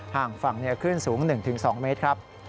ห่างฝั่งคลื่นสูง๑๒เมตรครับ